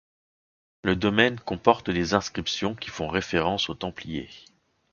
Le domaine comporte des inscriptions qui font référence aux Templiers.